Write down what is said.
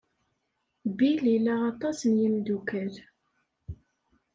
Bill ila aṭas n yimeddukal.